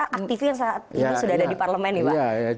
aktifnya saat ini sudah ada di parlemen ya pak